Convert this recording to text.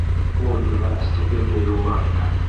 Ул миңә стипендия юллар ине...